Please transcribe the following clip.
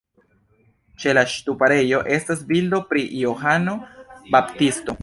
Ĉe la ŝtuparejo estas bildo pri Johano Baptisto.